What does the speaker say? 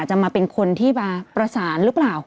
จะมาเป็นคนที่มาประสานหรือเปล่า